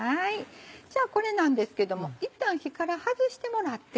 これなんですけどもいったん火からはずしてもらって。